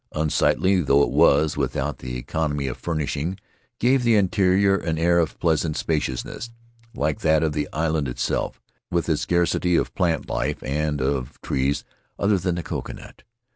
Unsightly though it was without, the economy of furnishing gave the interior an air of pleasant spaciousness, like that of the island itself with its scarcity of plant life and of trees other than the coconut.